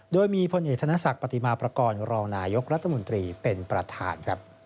โดยมีพลเอกธนศักดิ์ปฏิมาประกอบรองนายกรัฐมนตรีเป็นประธาน